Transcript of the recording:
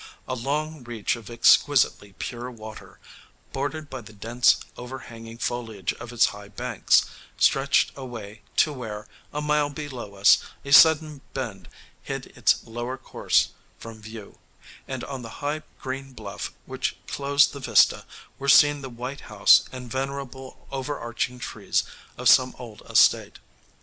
A long reach of exquisitely pure water, bordered by the dense overhanging foliage of its high banks, stretched away to where, a mile below us, a sudden bend hid its lower course from view, and on the high green bluff which closed the vista were seen the white house and venerable overarching trees of some old estate.